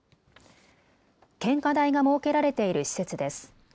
献花台が設けられている施設です。